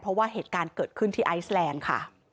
เพราะว่าเหตุการณ์เกิดขึ้นที่ไอซแลนด์ค่ะ